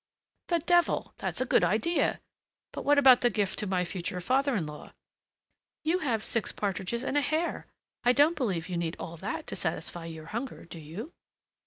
"The devil! that's a good idea! but what about the gift to my future father in law?" "You have six partridges and a hare! I don't believe you need all that to satisfy your hunger, do you?"